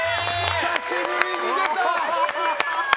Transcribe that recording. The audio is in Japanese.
久しぶりに出た！